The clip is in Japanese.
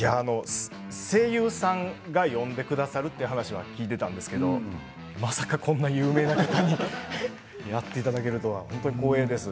声優さんが読んでくださる話は聞いていましたがまさか、こんな有名な方にやっていただけるとは本当に光栄です。